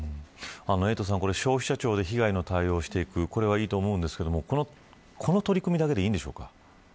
エイトさん、消費者庁で被害の対応していくこれはいいと思いますがこの取り組みだけでいいんでしょうか。